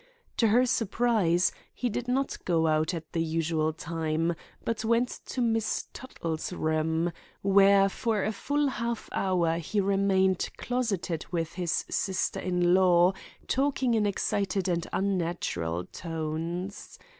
To her surprise, he did not go out at the usual time, but went to Miss Tuttle's room, where for a full half hour he remained closeted with his sister in law, talking in excited and unnatural tones.